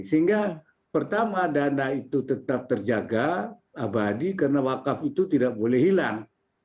sehingga pertama dana itu tetap terjaga abadi karena wakaf itu tidak boleh hilang